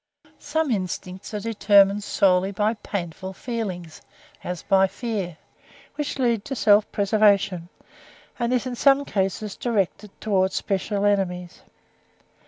Some instincts are determined solely by painful feelings, as by fear, which leads to self preservation, and is in some cases directed towards special enemies.